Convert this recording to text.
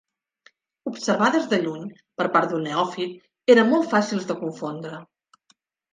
Observades de lluny per part d’un neòfit eren molt fàcils de confondre.